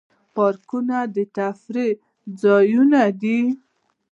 پارکونه د تفریح ځایونه دي